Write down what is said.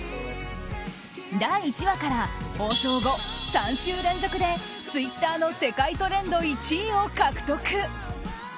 第１話から放送後、３週連続でツイッターの世界トレンド１位を獲得。